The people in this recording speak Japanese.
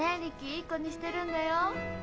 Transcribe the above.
いい子にしてるんだよ。